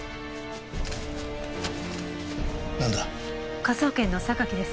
なんだ？科捜研の榊です。